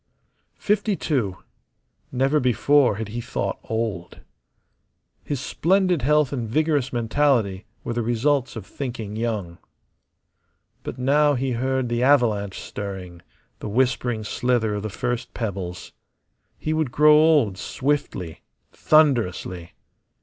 Fifty two. Never before had he thought old. His splendid health and vigorous mentality were the results of thinking young. But now he heard the avalanche stirring, the whispering slither of the first pebbles. He would grow old swiftly, thunderously.